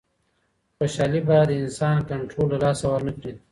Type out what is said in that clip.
خوشحالي باید د انسان کنټرول له لاسه ورنکړي.